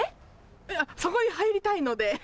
そこに入りたいので。